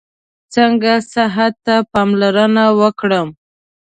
څنګه صحت ته پاملرنه وکړم؟